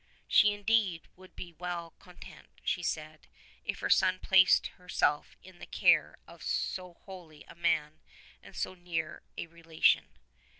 She indeed would be well content, she said, if her son placed himself in the care of so holy a man and so near a relation.